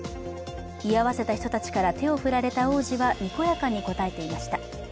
居合わせた人たちから手を振られた王子にこやかに応えていました。